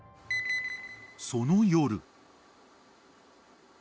［その夜］